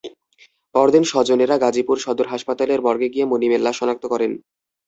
পরদিন স্বজনেরা গাজীপুর সদর হাসপাতালের মর্গে গিয়ে মুনিমের লাশ শনাক্ত করেন।